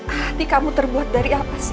hati kamu terbuat dari apa sih